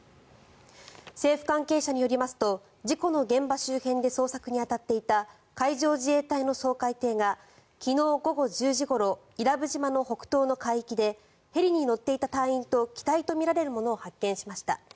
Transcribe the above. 政府関係者によりますと事故の現場周辺で捜索に当たっていた海上自衛隊の掃海艇が昨日午後１０時ごろ伊良部島の北東の海域でヘリに乗っていた隊員と機体とみられるものを発見しました。